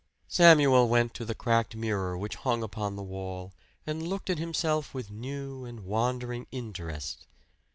Samuel went to the cracked mirror which hung upon the wall and looked at himself with new and wandering interest.